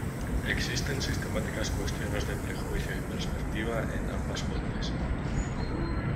Existen sistemáticas cuestiones de prejuicio y perspectiva en ambas fuentes.